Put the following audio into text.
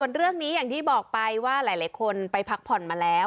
ส่วนเรื่องนี้อย่างที่บอกไปว่าหลายคนไปพักผ่อนมาแล้ว